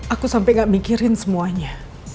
aku sampai gak mikirin semuanya